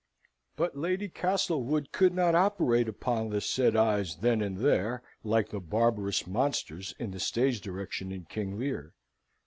But Lady Castlewood could not operate upon the said eyes then and there, like the barbarous monsters in the stage direction in King Lear.